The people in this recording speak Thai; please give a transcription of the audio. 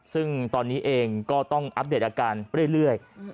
ซึ่งตอนนี้เองก็ต้องอัปเดตอาการเรื่อย